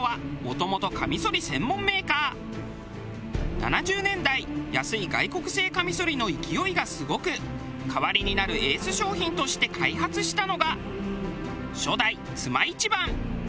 ７０年代安い外国製カミソリの勢いがすごく代わりになるエース商品として開発したのが。